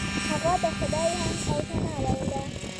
هغه د خدای حمد او ثنا ویله.